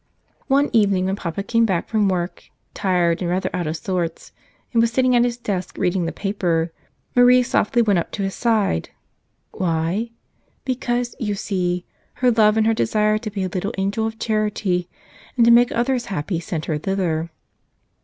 One evening when papa came back from work, tired and rather out of sorts, and was sitting at his desk reading the paper, Marie softly went up to his side. Why? Because, you see, her love and her desire to be a little angel of charity and to make others happy sent her thither.